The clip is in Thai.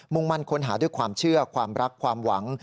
่งมั่นค้นหาด้วยความเชื่อความรักความหวัง